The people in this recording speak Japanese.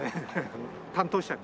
担当者に。